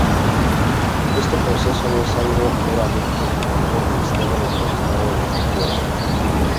Este proceso no es algo meramente objetivo y externo determinado desde fuera.